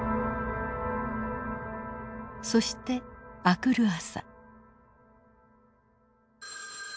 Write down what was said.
そして明くる朝。